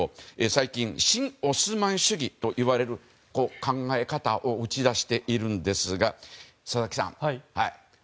最近、新オスマン主義といわれる考え方を打ち出しているんですが佐々木さん。